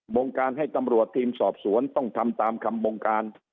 งการให้ตำรวจทีมสอบสวนต้องทำตามคำบงการ